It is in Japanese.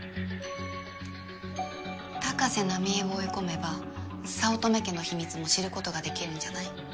高瀬奈美江を追い込めば早乙女家の秘密も知ることが出来るんじゃない？